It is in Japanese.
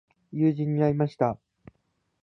友人に会いました。